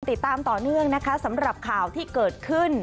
ติดตามต่อเนื่องนะคะสำหรับข่าวที่เกิดขึ้น